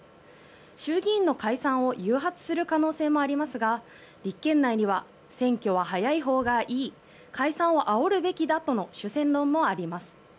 衆議院の解散を誘発する可能性もありますが立憲内には選挙は早いほうがいい解散をあおるべきだとの主戦論もあります。